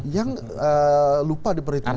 yang lupa diperhitungkan